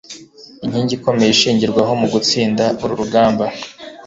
inkingi ikomeye ishingirwaho mu gutsinda uru rugamba